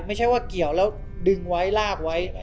ไม่ใช่ว่าเกี่ยวแล้วดึงไว้ลากไว้